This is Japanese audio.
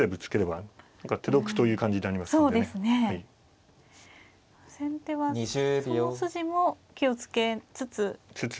先手はその筋も気を付けつつ。